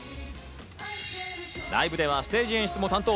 ライブではステージ演出も担当。